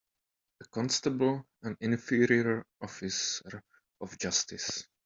A constable an inferior officer of justice